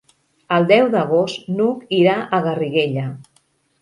El deu d'agost n'Hug irà a Garriguella.